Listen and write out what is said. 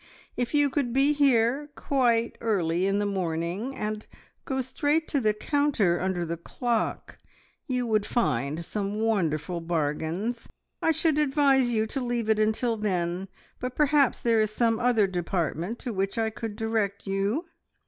If you could be here quite early in the morning, and go straight to the counter under the clock, you would find some wonderful bargains. I should advise you to leave it until then, but perhaps there is some other department to which I could direct you."